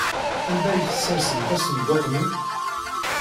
Anda ay tessersemt asenduq-nni?